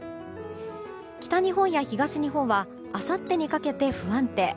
北日本や東日本はあさってにかけて不安定。